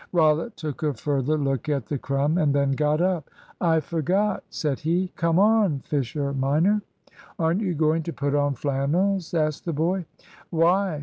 Rollitt took a further look at the crumb and then got up. "I forgot," said he; "come on, Fisher minor." "Aren't you going to put on flannels?" asked the boy. "Why!"